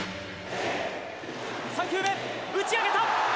３球目、打ち上げた。